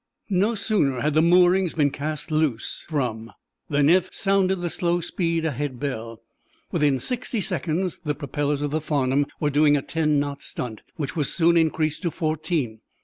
No sooner had the moorings been cast loose from than Eph sounded the slow speed ahead bell. Within sixty seconds the propellers of the "Farnum" were doing a ten knot stunt, which was soon increased to fourteen.